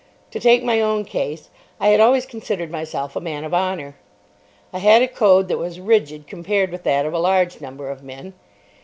To take my own case. I had always considered myself a man of honour. I had a code that was rigid compared with that of a large number of men.